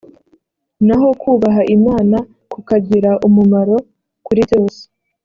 naho kubaha imana kukagira umumaro kuri byose